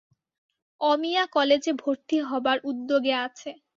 অমিয়া কলেজে ভরতি হবার উদ্যোগে আছে।